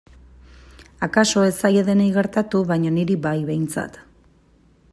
Akaso ez zaie denei gertatu baina niri bai behintzat.